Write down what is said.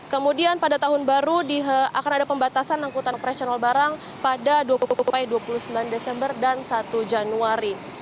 kemudian pada tahun baru akan ada pembatasan angkutan operasional barang pada dua puluh dua puluh sembilan desember dan satu januari